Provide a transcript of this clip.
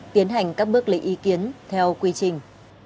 tiến hành các bước lấy ý kiến theo quy trình